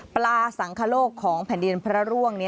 ปลาสังคโลกของแผ่นดินพระร่วง